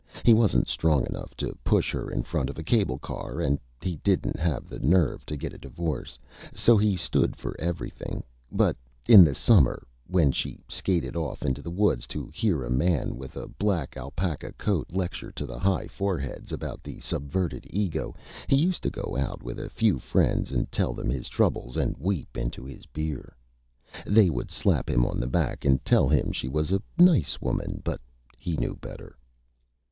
He wasn't Strong enough to push Her in front of a Cable Car, and he didn't have the Nerve to get a Divorce. So he stood for Everything; but in the Summer, when She skated off into the Woods to hear a man with a Black Alpaca Coat lecture to the High Foreheads about the Subverted Ego, he used to go out with a few Friends and tell them his Troubles and weep into his Beer. They would slap him on the Back and tell him she was a Nice Woman; but he knew better.